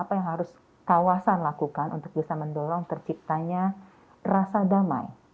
apa yang harus kawasan lakukan untuk bisa mendorong terciptanya rasa damai